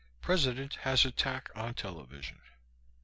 President has attack on television.